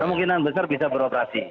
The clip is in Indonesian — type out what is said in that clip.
kemungkinan besar bisa beroperasi